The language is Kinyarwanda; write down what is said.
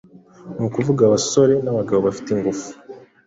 ni ukuvuga abasore n'abagabo bafite ingufu.